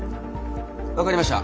分かりました。